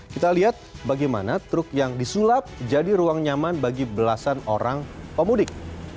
kita lihat bagaimana truk yang disulap jadi ruang nyaman bagi belasan orang pemudik